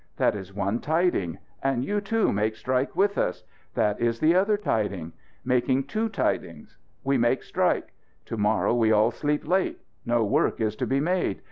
That is one tiding. And you, too, make strike with us. That is the other tiding. Making two tidings. We make strike. To morrow we all sleep late. No work is to be made.